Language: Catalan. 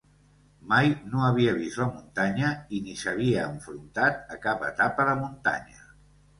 Mai no havia vist la muntanya i ni s'havia enfrontat a cap etapa de muntanya.